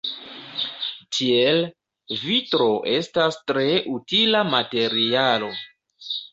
Tiel, vitro estas tre utila materialo.